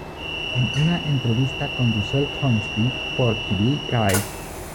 En una entrevista con Rusell Hornsby por Tv Guide.